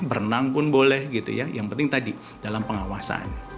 berenang pun boleh gitu ya yang penting tadi dalam pengawasan